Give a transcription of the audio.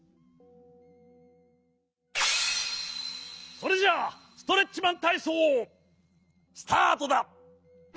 それじゃストレッチマンたいそうスタートだ。